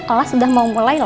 hola sudah mau mulai